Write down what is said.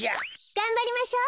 がんばりましょう。